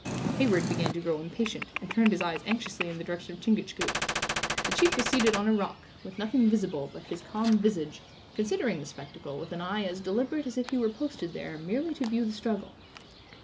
Heyward began to grow impatient, and turned his eyes anxiously in the direction of Chingachgook. The chief was seated on a rock, with nothing visible but his calm visage, considering the spectacle with an eye as deliberate as if he were posted there merely to view the struggle.